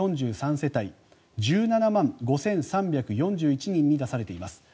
世帯１７万５３４１人に出されています。